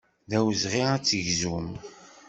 D awezɣi ad tegzum.